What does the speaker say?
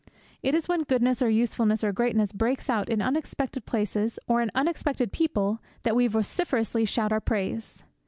It is when goodness or usefulness or greatness breaks out in unexpected places or in unexpected people that we vociferously shout our praise.